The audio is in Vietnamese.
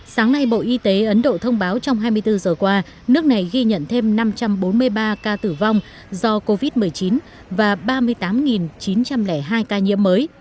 sáng nay bộ y tế ấn độ thông báo trong hai mươi bốn giờ qua nước này ghi nhận thêm năm trăm bốn mươi ba ca tử vong do covid một mươi chín và ba mươi tám chín trăm linh hai ca nhiễm mới